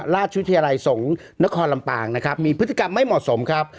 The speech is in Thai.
ราชวิทยาลัยสงฆ์นครลำปางนะครับมีพฤติกรรมไม่เหมาะสมครับ